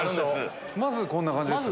まずこんな感じですよね。